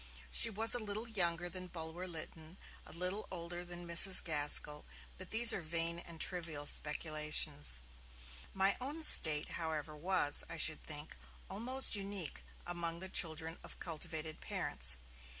She was a little younger than Bulwer Lytton, a little older than Mrs. Gaskell but these are vain and trivial speculations! My own state, however, was, I should think, almost unique among the children of cultivated parents.